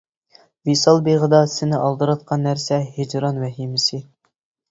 ۋىسال بېغىدا سېنى ئالدىراتقان نەرسە ھىجران ۋەھىمىسى.